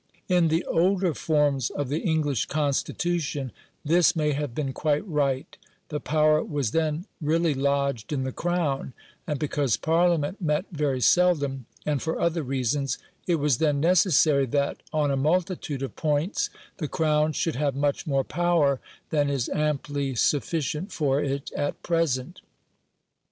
In the older forms of the English Constitution, this may have been quite right; the power was then really lodged in the Crown, and because Parliament met very seldom, and for other reasons, it was then necessary that, on a multitude of points, the Crown should have much more power than is amply sufficient for it at present.